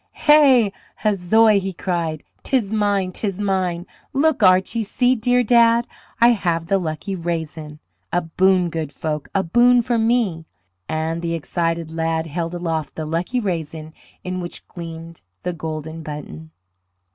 "Hey, huzzoy!" he cried, "'tis mine, 'tis mine! Look, Archie; see, dear dad; I have the lucky raisin! A boon, good folk; a boon for me!" And the excited lad held aloft the lucky raisin in which gleamed the golden button.